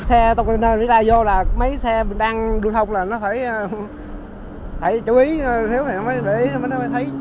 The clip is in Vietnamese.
xe container đi ra vô là mấy xe đang đu thông là nó phải chú ý thiếu này nó mới để ý nó mới thấy